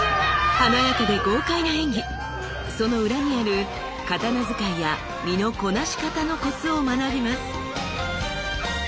華やかで豪快な演技その裏にある刀使いや身のこなし方のコツを学びます！